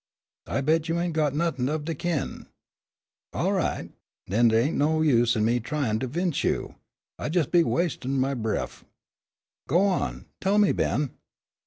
"I bet you ain' got nothin' of de kin'." "All right. Den dey ain' no use in me a tryin' to 'vince you. I jes' be wastin' my bref." "Go on tell me, Ben."